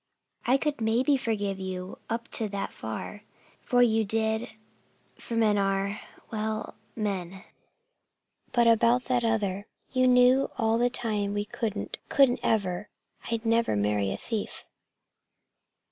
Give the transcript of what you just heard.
I could maybe forgive you up to that far, for you did for men are well, men. But about that other you knew all the time we couldn't couldn't ever I'd never marry a thief."